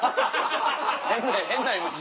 変なＭＣ。